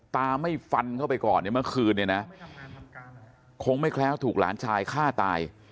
ไม่ฟันเข้าไปก่อนเนี่ยเมื่อคืนเนี่ยนะคงไม่แคล้วถูกหลานชายฆ่าตาย